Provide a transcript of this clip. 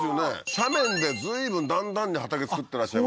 斜面で随分段々に畑作ってらっしゃいますよね